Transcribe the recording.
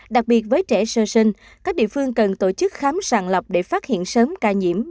đặc biệt với trẻ sơ sinh các địa phương cần tổ chức khám sàng lọc để phát hiện sớm ca nhiễm